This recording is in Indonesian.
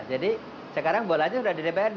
jadi sekarang bolanya sudah di dprd